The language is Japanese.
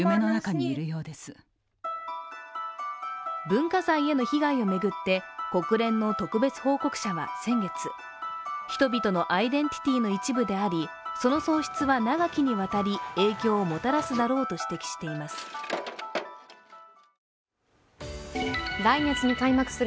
文化財への被害を巡って、国連の特別報告者は先月、人々のアイデンティティーの一部であり、その喪失は長きにわたり影響をもたらすだろうと指摘しています。